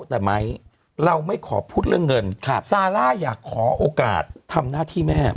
แต่ไม้เราไม่ขอพูดเรื่องเงินซาร่าอยากขอโอกาสทำหน้าที่แม่